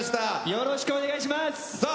よろしくお願いします。